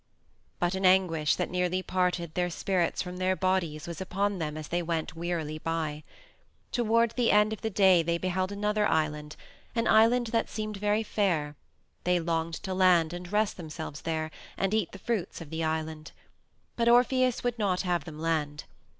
But an anguish that nearly parted their spirits from their bodies was upon them as they went wearily on. Toward the end of the day they beheld another island an island that seemed very fair; they longed to land and rest themselves there and eat the fruits of the island. But Orpheus would not have them land.